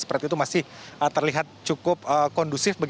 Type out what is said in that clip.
seperti itu masih terlihat cukup kondusif